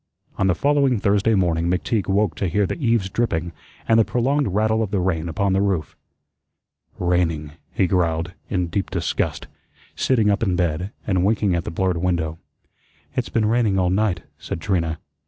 On the following Thursday morning McTeague woke to hear the eaves dripping and the prolonged rattle of the rain upon the roof. "Raining," he growled, in deep disgust, sitting up in bed, and winking at the blurred window. "It's been raining all night," said Trina.